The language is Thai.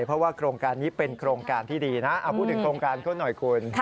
เพราะว่าโครงการนี้เป็นโครงการที่ดีนะเอาพูดถึงโครงการเขาหน่อยคุณ